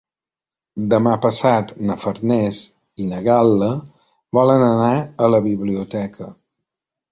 Demà passat na Farners i na Gal·la volen anar a la biblioteca.